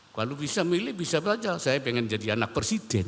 kalau bisa milih bisa saja saya pengen jadi anak presiden